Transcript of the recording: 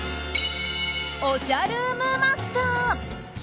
おしゃルームマスター。